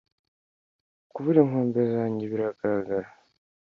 Kubura inkombe zanjye biragaragara